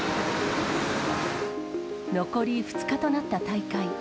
残り２日となった大会。